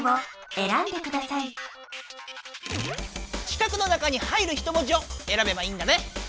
四角の中に入る一文字をえらべばいいんだね。